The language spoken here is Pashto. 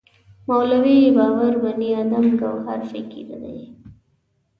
مولوی باور بني ادم ګوهر فکر دی.